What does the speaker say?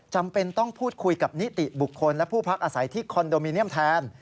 จำเป็นต้องพูดคุยกับนิติบุคคลและผู้พักอาศัยที่คอนโดมิเนียมแทน